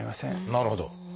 なるほど。